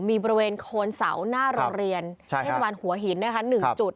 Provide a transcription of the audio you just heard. มีบริเวณโคนเสาหน้าโรงเรียนเทศบาลหัวหิน๑จุด